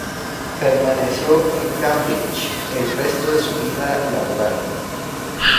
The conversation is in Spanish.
Permaneció en Cambridge el resto de su vida laboral.